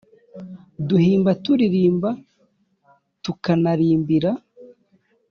duhimba turirimba tukanarimbira